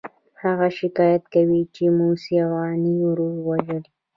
هغه شکایت کوي چې موسی اوغاني ورور وژلی.